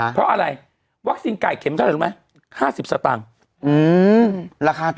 เพราะอะไรวัคซีนไก่เข็มเท่าไรรู้ไหมห้าสิบสตางค์อืมราคาถูก